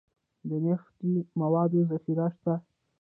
د نفتي موادو ذخیرې شته